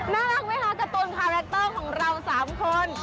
น่ารักไหมคะการ์ตูนคาแรคเตอร์ของเรา๓คน